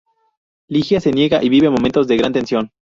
Ligia se niega y vive momentos de gran tensión.